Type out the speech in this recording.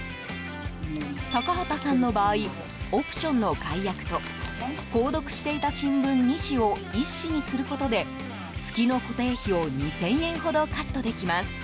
高畑さんの場合オプションの解約と購読していた新聞２紙を１紙にすることで月の固定費を２０００円ほどカットできます。